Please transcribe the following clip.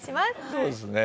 そうですね